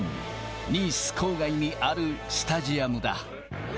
ニース郊外にあるスタジアムだ。